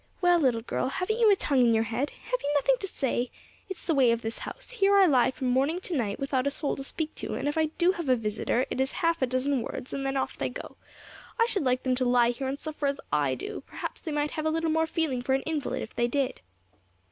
Well, little girl, haven't you a tongue in your head? Have you nothing to say? It's the way of this house: here I lie from morning to night without a soul to speak to, and if I do have a visitor it is half a dozen words, and then off they go! I should like them to lie here and suffer as I do perhaps they might have a little more feeling for an invalid if they did.'